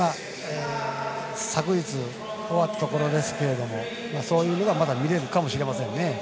昨日終わったところですがそういう意味ではまた見れるかもしれませんね。